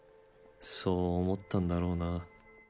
そう思ったんだろうな。